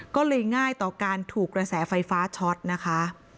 ก็เลยง่ายต่อการถูกกระแสไฟฟ้าช็อตนะคะ